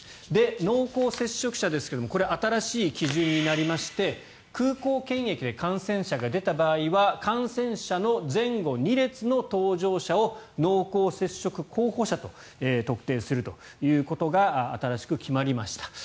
濃厚接触者ですがこれ、新しい基準になりまして空港検疫で感染者が出た場合は感染者の前後２列の搭乗者を濃厚接触候補者と特定するということが新しく決まりました。